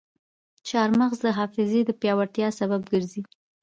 چارمغز د حافظې د پیاوړتیا سبب ګرځي.